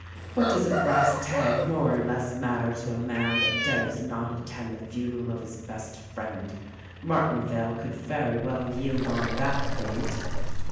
What does a brass tag more or less matter to a man that dares not attend the funeral of his best friend. Martinvale could very well yield on that point."